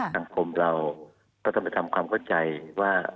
สังคมเราก็ต้องไปทำความเข้าใจว่า